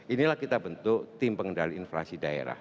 inilah kita bentuk tim pengendali inflasi daerah